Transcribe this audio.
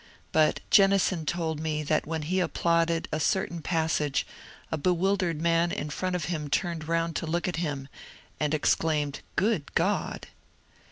But Jennison told me that when he applauded a certain passage a bewil dered man in front of him turned round to look at him, and exclaimed ^^ Good God